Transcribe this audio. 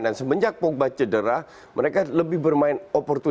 dan semenjak pogba cedera mereka lebih bermain operatif